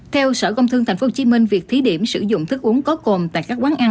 theo sở công thương tp hcm việc thí điểm sử dụng thức uống có cồn tại các quán ăn